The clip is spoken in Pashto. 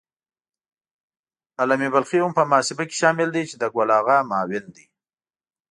عالمي بلخي هم په محاسبه کې شامل دی چې د ګل آغا معاون دی.